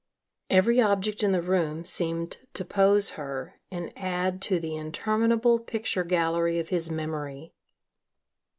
Every object in the room seemed to pose her and add to the interminable picture gallery of his memory.